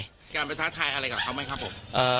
มีการไปท้าทายอะไรกับเขาไหมครับผม